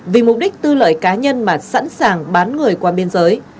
vì mục đích tư lợi cá nhân mà sẵn sàng bán người qua biên giới